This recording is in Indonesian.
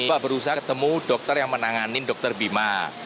saya sudah bisa ketemu dokter yang menanganin dokter bima